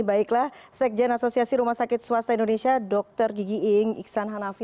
baiklah sekjen asosiasi rumah sakit swasta indonesia dr gigi iing iksan hanafi